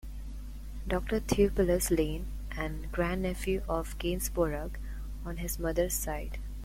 Doctor Theopilus Lane, and grandnephew of Gainsborough on his mother's side.